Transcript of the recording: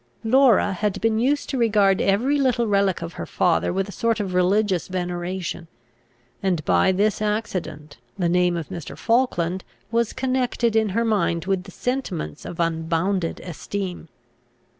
Laura had been used to regard every little relic of her father with a sort of religious veneration; and, by this accident, the name of Mr. Falkland was connected in her mind with the sentiments of unbounded esteem.